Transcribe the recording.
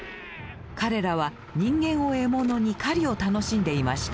彼らは人間を獲物に狩りを楽しんでいました。